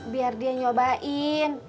biar dia nyobain